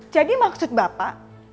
jadi maksud bapak